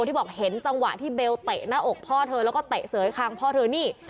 ที่บอกเห็นจังหวะที่เบลเตะหน้าอกพ่อเธอแล้วก็เตะเสยคางพ่อเธอนี่